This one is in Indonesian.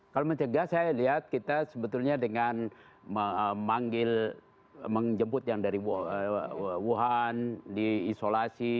kalau mencegah saya lihat kita sebetulnya dengan memanggil menjemput yang dari wuhan diisolasi